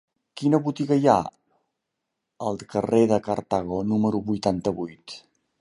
Quina botiga hi ha al carrer de Cartago número vuitanta-vuit?